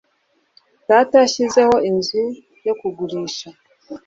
Data yashyizeho inzu yo kugurisha.